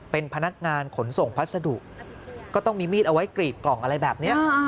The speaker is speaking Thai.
เป็นพนักงานขนส่งพัสดุก็ต้องมีมีดเอาไว้กรีบกล่องอะไรแบบนี้